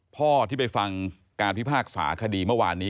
พ่อที่ไปฟังการพิพากษาคดีเมื่อวานนี้